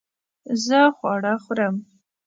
زه خواړه خورم